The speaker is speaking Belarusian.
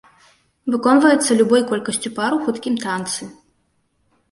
Выконваецца любой колькасцю пар у хуткім танцы.